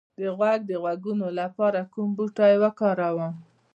د غوږ د غږونو لپاره کوم بوټی وکاروم؟